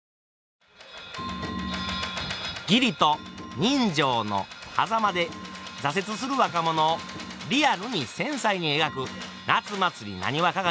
義理と人情のはざまで挫折する若者をリアルに繊細に描く「夏祭浪花鑑」。